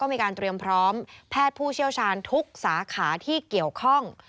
มีการเตรียมพร้อมแพทย์ผู้เชี่ยวชาญทุกสาขาที่เกี่ยวข้อง